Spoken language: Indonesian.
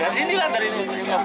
dari sini lah dari stasiun op